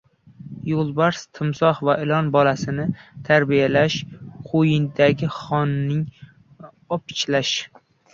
• Yo‘lbars, timsoh va ilon bolasini tarbiyalash — qo‘yningda xoinni opichlash.